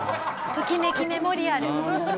『ときめきメモリアル』？